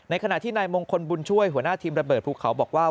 ขณะที่นายมงคลบุญช่วยหัวหน้าทีมระเบิดภูเขาบอกว่า